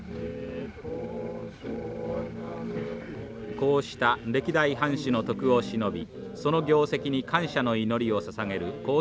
こうした歴代藩主の徳をしのびその業績に感謝の祈りをささげるこう